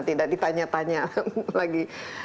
tidak ditanya tanya lagi